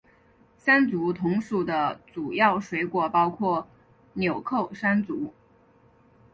山竹同属的主要水果包括钮扣山竹。